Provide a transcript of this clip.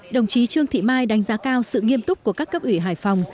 đồng chí trương thị mai đánh giá cao sự nghiêm túc của các cấp ủy hải phòng